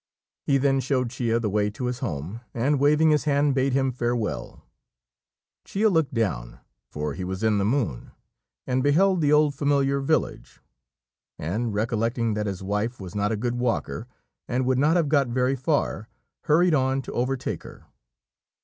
He then shewed Chia the way to his home, and waving his hand bade him farewell. Chia looked down for he was in the moon and beheld the old familiar village and recollecting that his wife was not a good walker and would not have got very far, hurried on to overtake her.